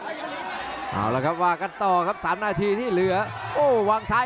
โอ้โหลั่งซ้ายนี้แล้วกันครับ